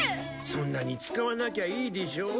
そんなに使わなきゃいいでしょ。